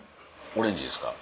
オレンジですか？